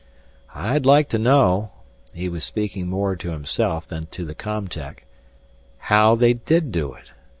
"I'd like to know," he was speaking more to himself than to the com tech, "how they did do it.